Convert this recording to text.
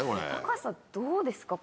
橋さんどうですか？